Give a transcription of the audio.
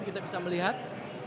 kita bisa melihat